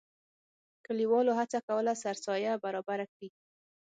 کلیوالو هڅه کوله سرسایه برابره کړي.